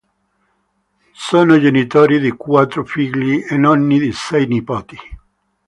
Sono genitori di quattro figli e nonni di sei nipoti.